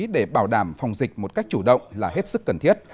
để bảo đảm phòng dịch một cách chủ động là hết sức cần thiết